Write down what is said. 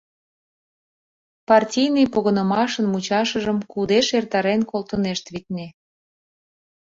Партийный погынымашын мучашыжым кудеш эртарен колтынешт, витне.